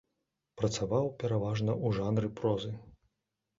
Працаваў пераважна ў жанры прозы.